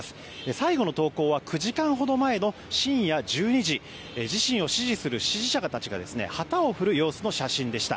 最後の投稿は９時間ほど前の深夜１２時自身を支持する支持者たちが旗を振る様子の写真でした。